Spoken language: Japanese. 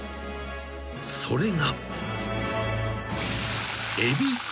［それが］